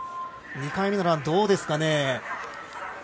２回目のラン、どうですかね。